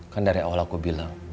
kan dari awal aku bilang